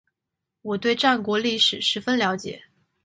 我对于战国历史十分了解